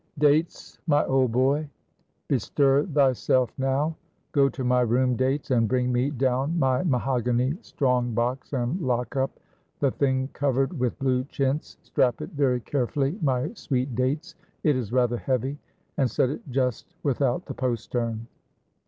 _ "Dates, my old boy, bestir thyself now. Go to my room, Dates, and bring me down my mahogany strong box and lock up, the thing covered with blue chintz; strap it very carefully, my sweet Dates, it is rather heavy, and set it just without the postern.